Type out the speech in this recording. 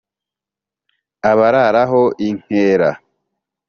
abararaho inkera